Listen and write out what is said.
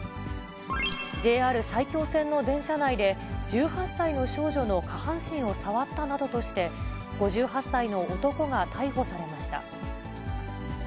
ＪＲ埼京線の電車内で、１８歳の少女の下半身を触ったなどとして、５８歳の男が逮捕されました。